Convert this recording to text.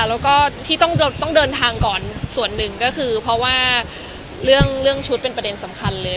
แล้วก็ที่ต้องเดินทางก่อนส่วนหนึ่งก็คือเพราะว่าเรื่องชุดเป็นประเด็นสำคัญเลย